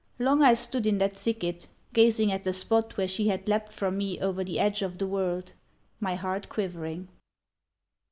Long I stood in that thicket gazing at the spot where she had leapt from me over the edge of the world my heart quivering.